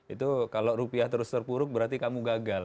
itu kalau rupiah terus terpuruk berarti kamu gagal